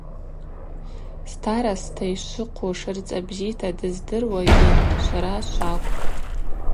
Старостта йшвыхъвуш рыцӏа бзита дыздыруагьи швара швакӏвпӏ.